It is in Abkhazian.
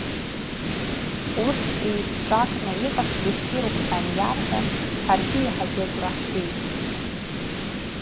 Урҭ еицҿакны иҟашәҵо ссируп ҳәа аниарҳәа, ҳаргьы иаҳагьы агәра ҳгеит.